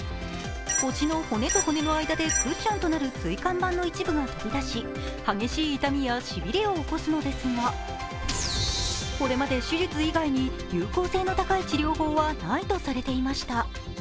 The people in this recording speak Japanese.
腰の骨と骨の間でクッションとなる椎間板の一部が飛び出し激しい痛みやしびれを起こすのですが、これまで手術以外に有効性の高い治療法はないとされていました。